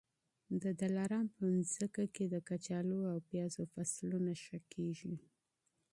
د دلارام په مځکي کي د کچالو او پیازو فصلونه ښه کېږي.